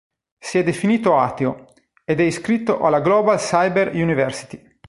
Si è definito ateo, ed è iscritto alla Global Cyber University.